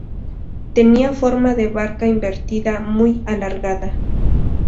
Tenía forma de barca invertida muy alargada.